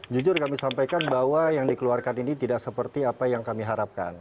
jujur kami sampaikan bahwa yang dikeluarkan ini tidak seperti apa yang kami harapkan